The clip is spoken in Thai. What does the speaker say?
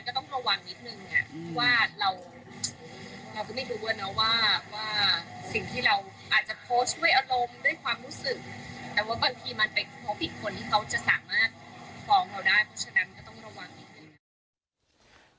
มันก็ต้องระวังนิดหนึ่งอ่ะอืมว่าเราเราก็ไม่รู้อ่ะเนอะว่าว่า